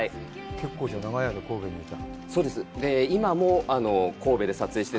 結構じゃあ長い間、神戸にいた？